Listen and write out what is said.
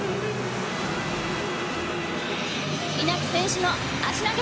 稲木選手の足投げ！